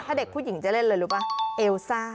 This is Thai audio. ถ้าเด็กผู้หญิงจะเล่นเลยรู้ป่ะเอลซ่า